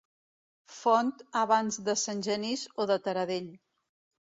Font abans de Sant Genís o de Taradell.